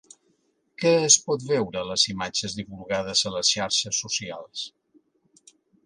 Què es pot veure a les imatges divulgades a les xarxes socials?